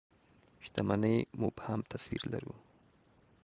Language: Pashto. شتمنۍ مبهم تصوير لرو.